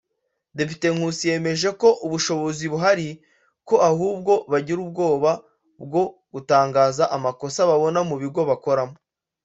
Depite Nkusi yemeje ko ubushobozi buhari ko ahubwo bagira ubwoba bwo gutangaza amakosa babona mu bigo bakoramo